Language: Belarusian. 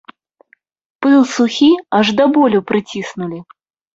Пыл сухі аж да болю прыціснулі.